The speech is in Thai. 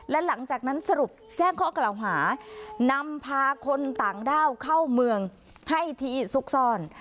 และหลังจากนั้นสรุปแจ้งข้อกล่าวหานำพาคนต่างด้าวเข้าเมืองให้ที่ซุกซ่อน